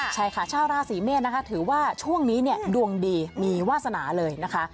ใช่ค่ะชาวราศีเมษนะคะถือว่าช่วงนี้เนี่ยดวงดีมีวาสนาเลยนะคะ